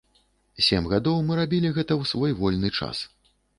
Сем гадоў мы рабілі гэта ў свой вольны час.